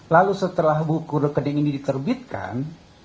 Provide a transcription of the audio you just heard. lalu setelah buku rekening ini diterbitkan